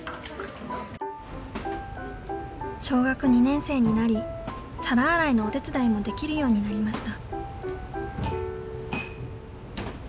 小学２年生になり皿洗いのお手伝いもできるようになりました。